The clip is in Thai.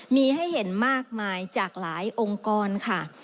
มีให้เห็นมากมายจากหลายองค์กรค่ะ